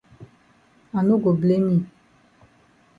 I no go blame yi.